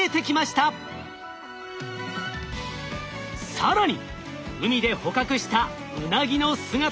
更に海で捕獲したウナギの姿は？